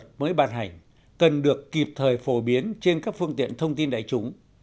các văn bản mới bàn hành cần được kịp thời phổ biến trên các phương tiện thông tin đại chúng